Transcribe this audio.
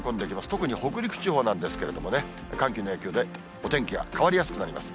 特に北陸地方なんですけれどもね、寒気の影響でお天気が変わりやすくなります。